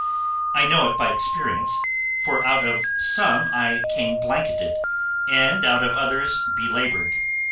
I know it by experience, for out of some I came blanketed, and out of others belaboured.